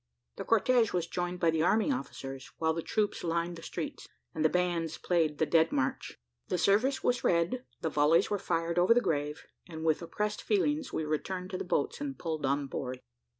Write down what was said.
The cortege was joined by the army officers, while the troops lined the streets, and the bands played the Dead March. The service was read, the volleys were fired over the grave, and with oppressed feelings we returned to the boats and pulled on board.